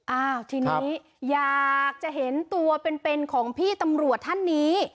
อ้าวทีนี้อยากจะเห็นตัวเป็นของพี่ตำรวจท่านนี้